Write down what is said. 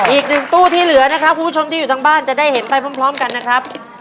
อีกหนึ่งตู้ที่เหลือนะครับคุณผู้ชมที่อยู่ทางบ้านจะได้เห็นไปพร้อมกันนะครับ